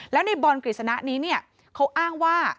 แล้วในบอลกรีศนะนี้เขาอ้างว่า